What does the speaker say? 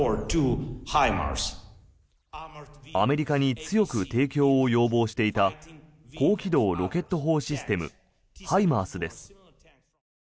アメリカに強く提供を要望していた高機動ロケット砲システムＨＩＭＡＲＳです。